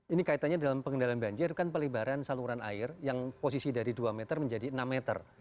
ini kaitannya dalam pengendalian banjir kan pelibaran saluran air yang posisi dari dua meter menjadi enam meter